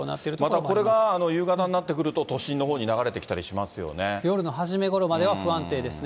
またこれが、夕方になってくると、都心のほうに流れてきたり夜の初めごろまでは不安定ですね。